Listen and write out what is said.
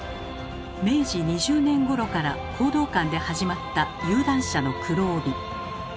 明治２０年ごろから講道館で始まった有段者の黒帯。